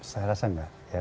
saya rasa enggak